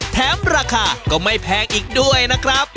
แถมราคาก็ไม่แพงอีกด้วยนะครับ